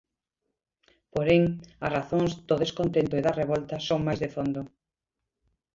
Porén, as razóns do descontento e da revolta son máis de fondo.